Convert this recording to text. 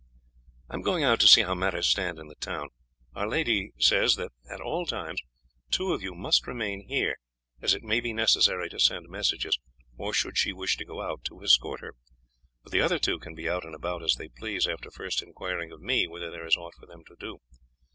"I am going out to see how matters stand in the town. Our lady says that at all times two of you must remain here, as it may be necessary to send messages, or should she wish to go out, to escort her, but the other two can be out and about as they please, after first inquiring of me whether there is aught for them to do.